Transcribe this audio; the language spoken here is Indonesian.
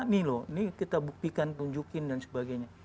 ini loh ini kita buktikan tunjukin dan sebagainya